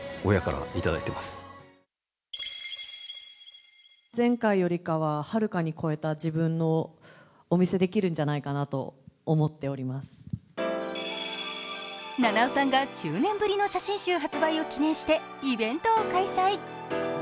そんな中での癒やしの瞬間が菜々緒さんが１０年ぶりの写真集発売を記念してイベントを開催。